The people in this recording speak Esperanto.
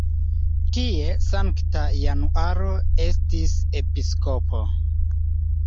Tie Sankta Januaro estis episkopo.